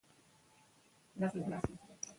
پاکې اوبه د ناروغیو مخه نیسي۔